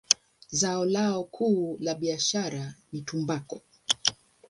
Zao lao kuu la biashara ni tumbaku.